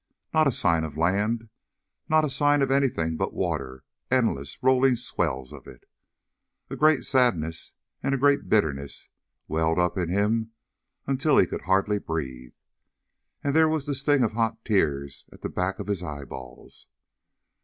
Not a sign of land. Not a sign of anything but water; endless rolling swells of it. A great sadness, a great bitterness welled up in him until he could hardly breathe. And there was the sting of hot tears at the backs of his eyeballs.